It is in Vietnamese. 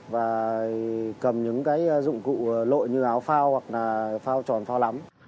và cầm những cái dụng cụ lội như áo phao hoặc là phao tròn phao lắm